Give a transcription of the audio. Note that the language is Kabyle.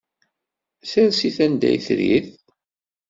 Ssers-it anda ay trid.